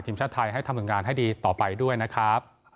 ทีมชาติไทยให้ทำงานให้ดีต่อไปด้วยนะครับ